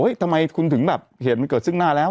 ทำไมคุณถึงแบบเหตุมันเกิดซึ่งหน้าแล้ว